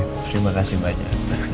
terima kasih banyak